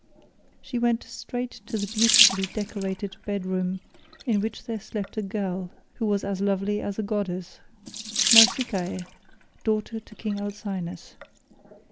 She went straight to the beautifully decorated bedroom in which there slept a girl who was as lovely as a goddess, Nausicaa, daughter to King Alcinous.